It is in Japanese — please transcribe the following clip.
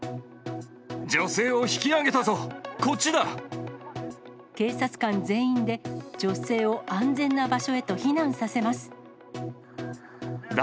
女性を引き上げたぞ、こっち警察官全員で、女性を安全な場所へと避難させます。